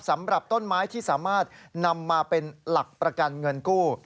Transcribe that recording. สำหรับต้นไม้ที่สามารถนำมาเป็นหลักประกันเงินกู้